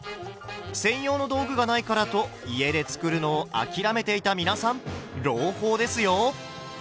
専用の道具がないからと家で作るのを諦めていた皆さん朗報ですよ！